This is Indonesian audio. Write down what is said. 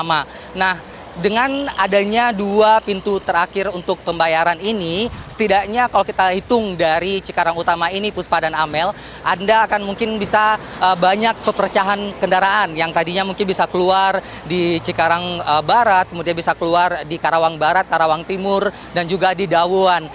nah dengan adanya dua pintu terakhir untuk pembayaran ini setidaknya kalau kita hitung dari cikarang utama ini puspa dan amel anda akan mungkin bisa banyak pepercahan kendaraan yang tadinya mungkin bisa keluar di cikarang barat kemudian bisa keluar di karawang barat karawang timur dan juga di dawuan